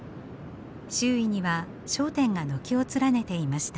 周囲には商店が軒を連ねていました。